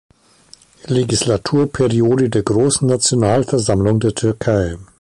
Legislaturperiode der Großen Nationalversammlung der Türkei.